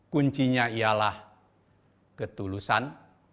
kuncinya ialah ketulusan